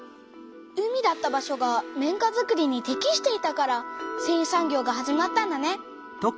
海だった場所が綿花づくりにてきしていたからせんい産業が始まったんだね。